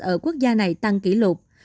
ở quốc gia này tăng kỷ lục